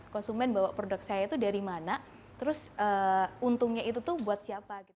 konsumen bawa produk saya itu dari mana terus untungnya itu tuh buat siapa